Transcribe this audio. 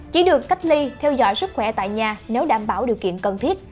chỉ được cách ly theo dõi sức khỏe tại nhà nếu đảm bảo điều kiện cần thiết